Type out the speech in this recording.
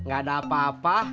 gak ada apa apa